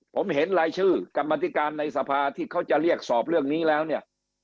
ผมเห็นรายชื่อกรรมธิการในสภาที่เขาจะเรียกสอบเรื่องนี้แล้วเนี่ย